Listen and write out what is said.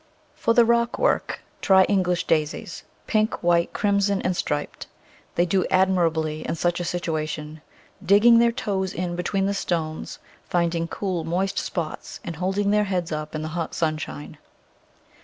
For the rockwork try English Daisies — pink, white, crimson, and striped. They do admirably in such a situation, digging their toes in between the stones, finding cool, moist spots, and holding their heads up in the hot sunshine.